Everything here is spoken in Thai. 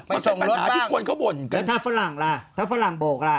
มันเป็นปัญหาที่คนเขาบ่นกันถ้าฝรั่งล่ะถ้าฝรั่งโบกล่ะ